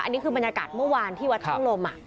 อันนี้คือบรรยากาศเมื่อวานที่วัดช่องลม